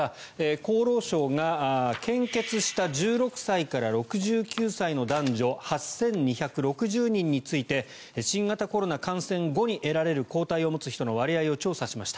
厚労省が献血した１６歳から６９歳の男女８２６０人について新型コロナ感染後に得られる抗体を持つ人の割合を調査しました。